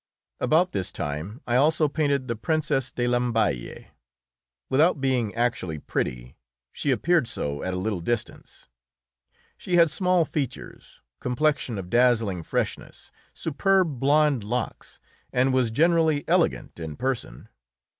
About this time I also painted the Princess de Lamballe. Without being actually pretty, she appeared so at a little distance; she had small features, complexion of dazzling freshness, superb blond locks, and was generally elegant in person.